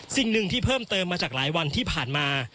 สิ่งหนึ่งที่เพิ่มเติมมาจากหลายวันที่ผ่านมา